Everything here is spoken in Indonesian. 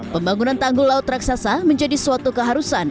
pembangunan tanggul laut raksasa menjadi suatu keharusan